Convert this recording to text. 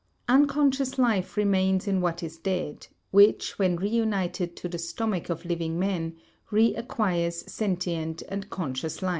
Unconscious life remains in what is dead, which when reunited to the stomach of living men, reacquires sentient and conscious life.